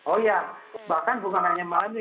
oh iya bahkan bukan hanya malam ini